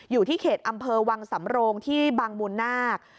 อยู่ที่เขตอำเภอวังสำโรงที่บางมูลนาค